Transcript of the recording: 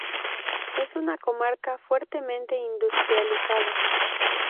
Es una comarca fuertemente industrializada.